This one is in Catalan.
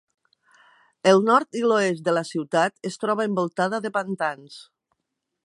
El nord i l'oest de la ciutat, es troba envoltada de pantans.